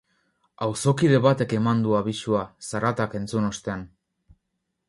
Auzokide batek eman du abisua, zaratak entzun ostean.